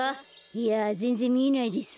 いやぜんぜんみえないです。